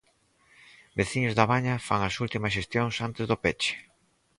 Veciños da Baña fan as últimas xestións antes do peche.